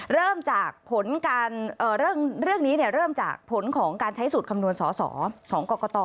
เริ่มจากผลการเรื่องนี้เริ่มจากผลของการใช้สูตรคำนวณสอสอของกรกต